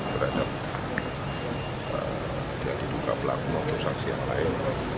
berapa interviu berhadap pelaku maupun saksi yang lain